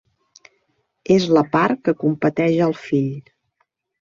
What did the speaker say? És la part que competeix al fill.